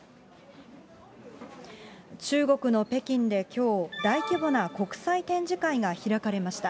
中国の北京できょう、大規模な国際展示会が開かれました。